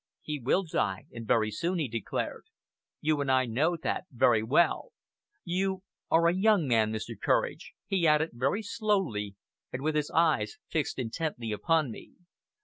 "He will die, and very soon," he declared. "You and I know that very well. You are a young man, Mr. Courage," he added very slowly, and with his eyes fixed intently upon me.